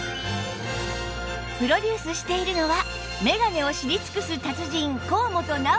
プロデュースしているのはメガネを知り尽くす達人高本尚紀さん